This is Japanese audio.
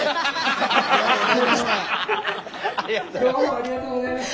ありがとうございます。